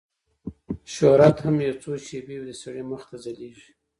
شهرت هم یو څو شېبې وي د سړي مخ ته ځلیږي